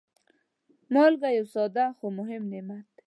مالګه یو ساده، خو مهم نعمت دی.